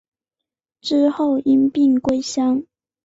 之后因病归乡。